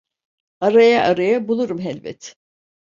Araya araya bulurum helbet!